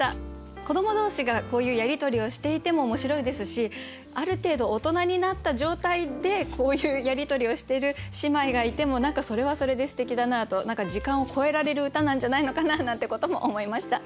子ども同士がこういうやり取りをしていても面白いですしある程度大人になった状態でこういうやり取りをしている姉妹がいても何かそれはそれですてきだなと。何か時間を越えられる歌なんじゃないのかななんてことも思いました。